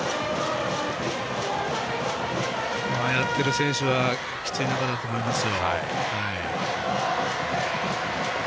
やっている選手はきつい中だと思います。